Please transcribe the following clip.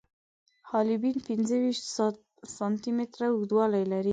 حالبین پنځه ویشت سانتي متره اوږدوالی لري.